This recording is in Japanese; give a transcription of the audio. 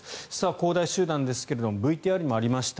恒大集団ですがＶＴＲにもありました